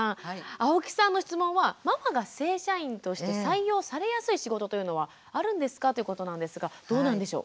青木さんの質問は「ママが正社員として採用されやすい仕事というのはあるんですか？」ということなんですがどうなんでしょう？